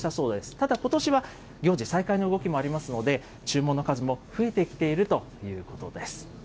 ただことしは、行事再開の動きもありますので、注文の数も増えてきているということです。